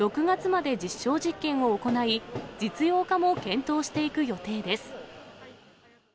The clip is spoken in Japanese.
６月まで実証実験を行い、実用化も検討していく予定です。